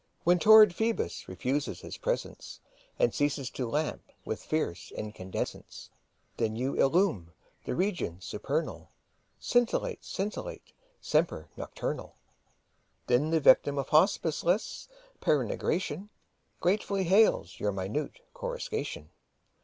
When torrid Phoebus refuses his presence And ceases to lamp with fierce incandescence^ Then you illumine the regions supernal. Scintillate, scintillate, semper nocturnal. Saintc Margirie 4T7 Then the yictiin of hospiceless peregrination Gratefully hails your minute coruscation.